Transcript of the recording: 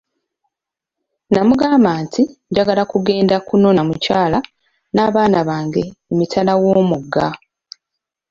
N'amugamba nti, njagala kugenda kunona mukyala n'abaana bange emitala wo'mugga .